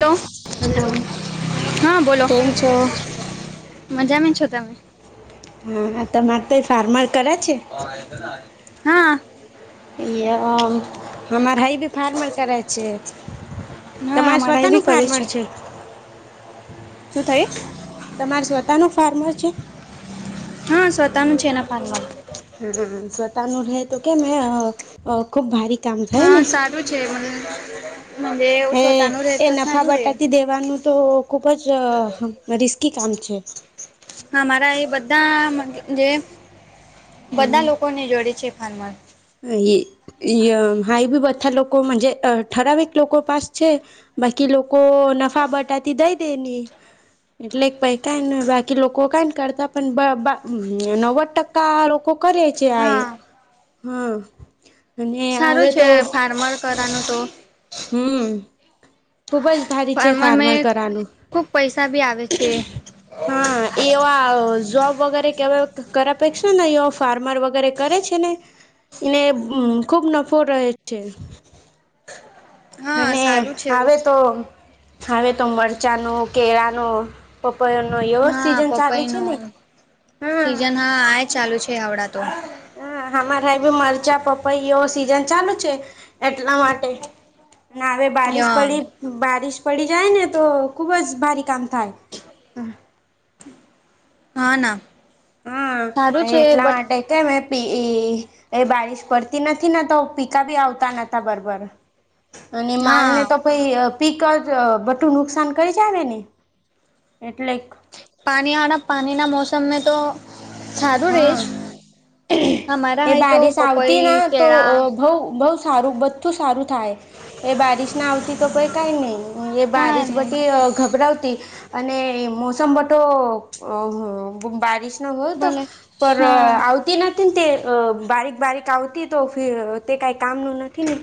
Hello hello હા બોલો કેમ છો? મજા મે છો તમે. હા તમારે કઈ ફાર્મર કરે છે. હા એ હર ભાઈ ભી ફાર્મર કરે છે. ના અ તમારે મારા એ સ્વતાનું ભી કરે ફાર્મર છે શું થય તમાર સ્વતા નું ફાર્મર છે. હા સ્વતાનું છે એના પાનમાં હ સ્વતા ન રહે તો કે મે ખુબ ભારી થાય હા ને સારું છે મજે હ પોતાનું રે એ તો નફા સારું રે બટાતી દેવાનું તો ખૂબ જ રિસ્કી કામ છે હા મારા એ બધા જે બધા લોકો ને જોડે છે ફારમન હાઈ બી બધા લોકોજ ઠરાવિક લોકો પાસ છે બાકી લોકો નફા બટાતી દઈ દે ને એટલે પૈ કઈ બાકી લોક લોકો કઈ ન કરતા પણ બ બા નવ્વદ ટકા લોકો કર્યા છે આ હા હા અને હ તો કરનું તો હમ ખુબ જ ભારી છે ફાર્મર કરવાનું ખુબ પૈસા બી આવે છે. હા એવા જોબ વગેરે કેવા કર પે છે ને ઓફ ફાર્મર વગેરે કરે છે ને એને ખુબ નફો રહે છે. હા અને સારું છે આવે તો આવે તો મરચાંનો કેળાનો પપૈયાનો એવો હા સીઝન ચાલે છે ને પપઈનું હમ્મ સિઝન હા આ ચાલુ છે આવડા તો હ અમારે મરચા પપૈયા એવા સીઝન ચાલુ છે એટલા માટે અને હવે બારીશ પડી બારીશ પડી જાય ને તો ખુબ જ ભારે કામ થાય હ હા ના હા સારું છે એટલા માટે બટ કે મે પી એ બારીશ પડતી નથી ને તો પીકા ભી આવતા નતા બરોબર અને માલ ને હા તો કોઈ પીક જ બધુ નુકસાન કરી જ આવે ને એટલે પાણી આ પાણીના મોસમને તો સારું હા રહીશ એ બારિશ આવતી ના તો કેળા બઉ બહુ સારું બધું સારું થાય એ બારીશ ના આવતી તો કઈ નહી એ કા બારીશ બધી ગભરાવતી અને મોસમ બધો બારિશનો હોય તો ભલે પર હા આવતી નથી તે બારીક બારીક આવતી તો તે કંઈ કામ નુ નથી ને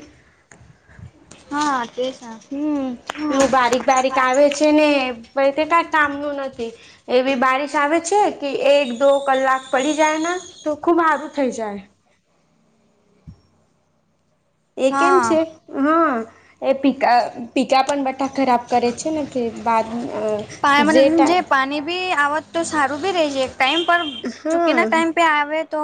હા [unintelligible] હમ્મ હા એવું બારીક બારીક આવે છે ને [unintelligible] તે કંઈ કામનું નથી. એવી બારીશ આવે છે કે એક દો કલાક પડી જાયના તો ખુબ હારું થઈ જાય. એ કેમ હા છે હા એ પી પીકા પણ ખરાબ કરે છે ને બાદ પા મતલબ જે [unintelligible] પાણી બી આવત તો સારું બી રે જ એક ટાઈમ પર ચૂકી ના ટાઈમ પે આવે તો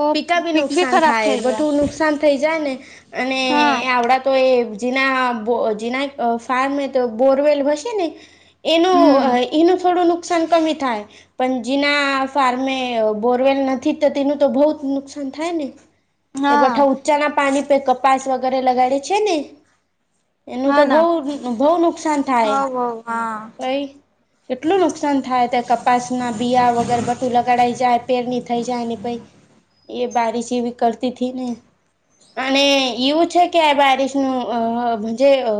ઓ પિતા બી પીક નુકસાન ખરાબ થાય થઈ ગયા બધુ નુકસાન થઈ જાય ને અને હા આવડા તો એ જીના જીના ફાર્મે તો બોરવેલ હશે ને એનું હમ એનું થોડું નુકસાન કમી થાય પણ જીના ફાર્મે બોરવેલ નથી તો તેનું તો બહુ નુકસાન થાય ને. એ હા બધા ઊંચાના પાણી પરે કપાસ વગેરે લગાડે છે ને એનું હા તો બઉ ના બહુ નુકસાન હ થાય હા કઈ કેટલું નુકસાન થાય તો કપાસના બીયા વગર બટું લગાડાઈ જાય પેર ની થઈ જાય ને એ બારીશ એવી કરતી થી ને અને એવું છે કે આ બારિશનું જે અ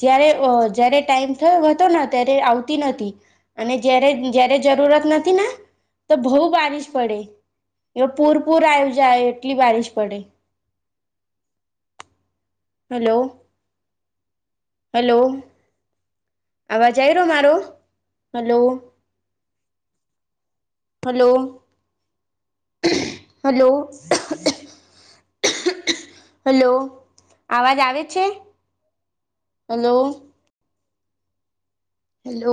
જયારે જારે ટાઈમ થયો હતો ને ત્યારે આવતી નતી. અને જ્યારે જ્યારે જરૂરત નથી ને તો બહુ બારિશ પડે એ પૂર પૂર આવી જાય એટલી બારીશ પડે. હલો હલો અવાજ આવી રહ્યો મારો હાલો હાલો હાલો હલો અવાજ આવે છે? હાલો હાલો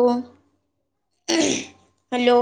હાલો